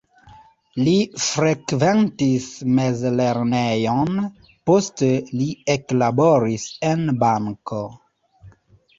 Li frekventis mezlernejon, poste li eklaboris en banko.